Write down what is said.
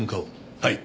はい。